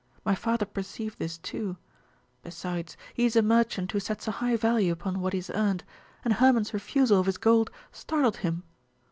My father perceived this too. Besides, he is a merchant who sets a high value upon what he has earned, and Hermon's refusal of his gold startled him.